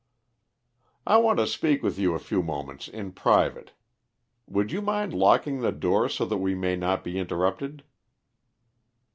"I want to speak with you a few moments in private. Would you mind locking the door so that we may not be interrupted?"